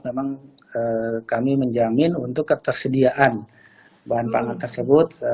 memang kami menjamin untuk ketersediaan bahan pangan tersebut